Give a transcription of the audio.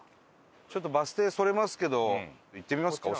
ちょっとバス停それますけど行ってみますか？